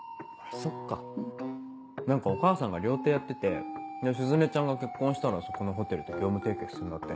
そっか何かお母さんが料亭やってて鈴音ちゃんが結婚したらそこのホテルと業務提携すんだって。